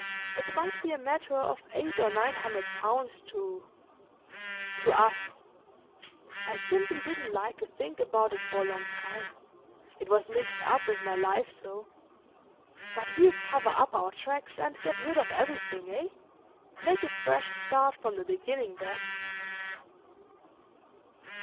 It might be a matter of eight or nine hundred pounds to—to us. I simply didn't like to think about it for a long time. It was mixed up with my life so.—But we'll cover up our tracks and get rid of everything, eh? Make a fresh start from the beginning, Bess."